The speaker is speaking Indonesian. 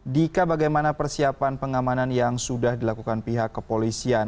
dika bagaimana persiapan pengamanan yang sudah dilakukan pihak kepolisian